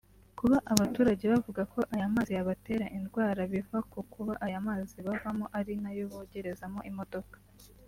Kuba abaturage bavuga ko aya mazi yabatera indwara biva ku kuba aya mazi bavoma ari nayo bogerezamo imodoka